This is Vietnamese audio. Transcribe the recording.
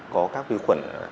có các vi khuẩn